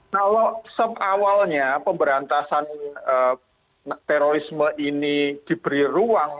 kalau awalnya pemberantasan terorisme ini diberi ruang